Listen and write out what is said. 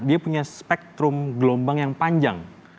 dia punya spektrum gelombang yang panjang